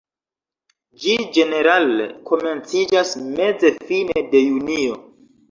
Ĝi ĝenerale komenciĝas meze-fine de junio.